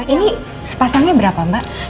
ini sepasangnya berapa mbak